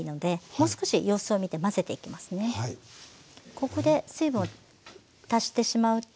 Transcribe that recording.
ここで水分を足してしまうと。